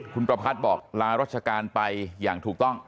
คุณประพัทธ์บอกลารัชการไปอย่างถูกต้อง